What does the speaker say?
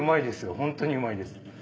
ホントにうまいです。